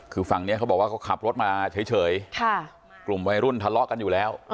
คือฝั่งนี้เขาบอกว่าเขาขับรถมาเฉยกลุ่มวัยรุ่นทะเลาะกันอยู่แล้ว